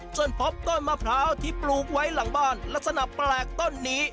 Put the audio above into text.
จนพบต้นมะพร้าวที่ปลูกไว้หลังบ้านลักษณะแปลกต้นนี้